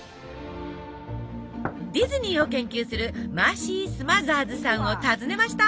ディズニーを研究するマーシー・スマザーズさんを訪ねました。